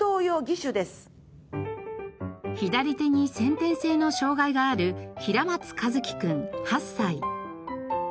左手に先天性の障がいがある平松和樹くん８歳。